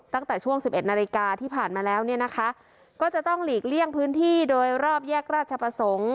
ตั้งแต่ช่วง๑๑นาฬิกาที่ผ่านมาแล้วเนี่ยนะคะก็จะต้องหลีกเลี่ยงพื้นที่โดยรอบแยกราชประสงค์